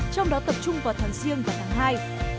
trong đó tập trung vào tháng riêng và tháng hai